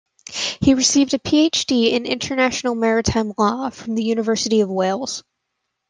He received a Ph.D. in international maritime law from the University of Wales.